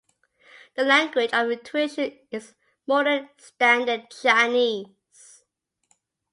The language of tuition is Modern Standard Chinese.